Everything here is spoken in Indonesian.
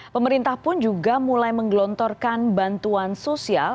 pemerintah pun juga mulai menggelontorkan bantuan sosial